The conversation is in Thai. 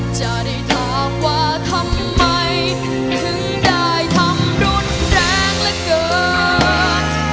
จะได้ถามว่าทำไมถึงได้ทำรุนแรงเหลือเกิน